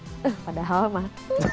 eh padahal mah